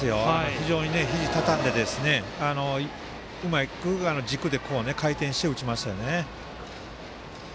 非常にひじをたたんでうまく軸で回転して打ちました。